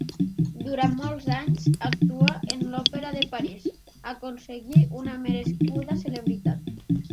Durant molts anys actuà en l'Òpera de París; aconseguí una merescuda celebritat.